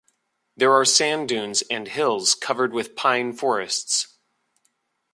There are sand dunes and hills, covered with pine forests.